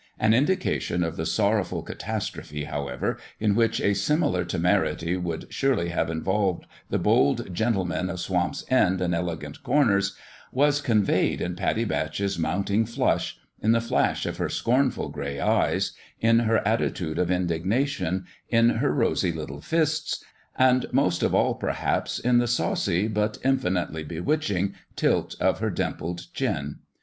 An indication of the sorrowful catastrophe, however, in which a similar temerity would surely have involved the bold gentlemen of Swamp's End and Elegant Corners, was con veyed in Pattie Batch's mounting flush, in the flash of her scornful gray eyes, in her attitude of indignation, in her rosy little fists, and, most of all, perhaps, in the saucy but infinitely bewitch ing tilt of her dimpled chin.